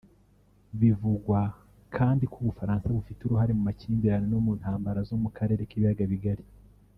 Bivugwa kandi ko u Bufaransa bufite uruhare mu makimbirane no mu ntambara zo mu Karere k’ibiyaga bigari